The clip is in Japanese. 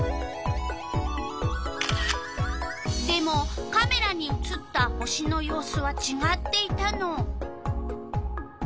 でもカメラに写った星の様子はちがっていたの。